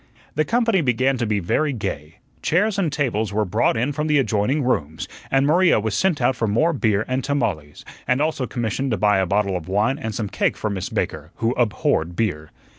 The company began to be very gay. Chairs and tables were brought in from the adjoining rooms, and Maria was sent out for more beer and tamales, and also commissioned to buy a bottle of wine and some cake for Miss Baker, who abhorred beer.